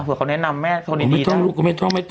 หรือเขาแนะนำคนดี